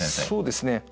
そうですね